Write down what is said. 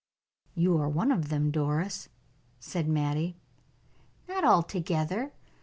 "You are one of them, Doris," said Mattie. "Not altogether.